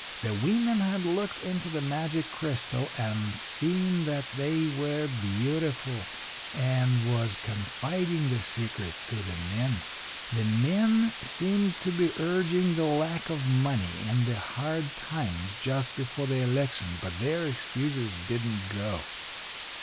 The women had looked into the magic crystal and seen that they were beautiful, and was confiding the secret to the men. The men seemed to be urging the lack of money and the hard times just before the election, but their excuses didn't go.